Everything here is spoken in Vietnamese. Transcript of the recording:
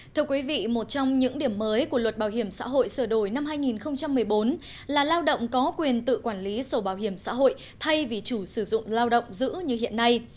thưa quý vị một trong những điểm mới của luật bảo hiểm xã hội sửa đổi năm hai nghìn một mươi bốn là lao động có quyền tự quản lý sổ bảo hiểm xã hội thay vì chủ sử dụng lao động giữ như hiện nay